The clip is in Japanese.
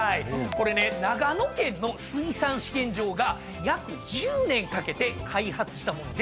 これね長野県の水産試験場が約１０年かけて開発したもので。